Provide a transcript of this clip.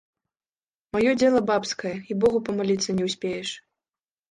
Маё дзела бабскае, і богу памаліцца не ўспееш.